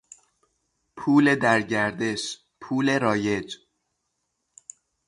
پول در گردش، پول رایج